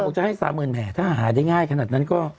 ผมจะให้สามหมื่นแหมถ้าหาได้ง่ายขนาดนั้นก็